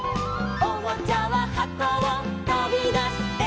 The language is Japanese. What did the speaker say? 「おもちゃははこをとびだして」